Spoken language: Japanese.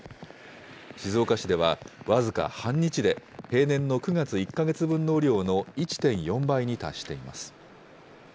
静岡市では僅か半日で、平年の９月１か月分の雨量の１．４倍に達しています。